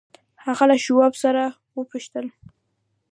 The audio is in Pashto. هغه له شواب څخه وپوښتل.